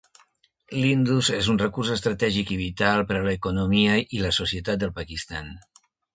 L'Indus és un recurs estratègic i vital per a l'economia i la societat del Pakistan.